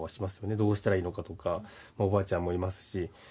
どうしたらいいのとかおばちゃんもいますし。